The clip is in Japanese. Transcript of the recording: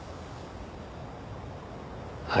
はい。